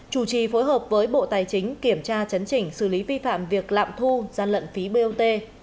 chủ trì phối hợp với bộ tài chính kiểm tra chấn chỉnh xử lý vi phạm việc lạm thu gian lận phí bot